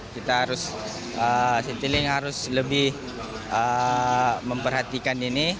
kita harus citilink harus lebih memperhatikan ini